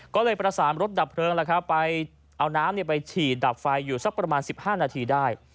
ก็เลยประสานรถดับเพลิงไปเอาน้ำไปฉีดดับไฟอยู่สักประมาณ๑๕นาทีได้